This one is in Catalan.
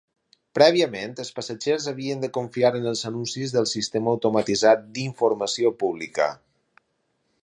Prèviament, els passatgers havien de confiar en els anuncis del sistema automatitzat d'informació pública.